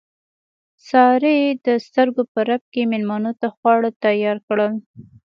سارې د سترګو په رپ کې مېلمنو ته خواړه تیار کړل.